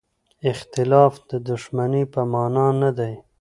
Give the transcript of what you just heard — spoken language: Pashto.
اختلاف د دښمنۍ په مانا نه دی.